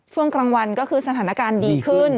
ช่วงกลางวันก็คือสถานการณ์ดีขึ้น